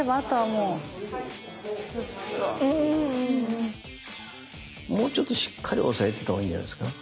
もうちょっとしっかり押さえておいた方がいいんじゃないですか？